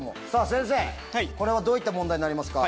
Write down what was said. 先生これはどういった問題になりますか？